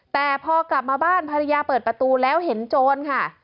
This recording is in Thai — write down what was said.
แต่พอกลับมาบ้านภรรยาเปิดประตูแล้วเห็นโจรค่ะ